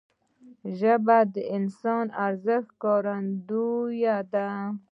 ژبه د انسان د ارزښت ښکارندوی ده